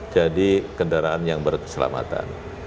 jadi kendaraan yang berkeselamatan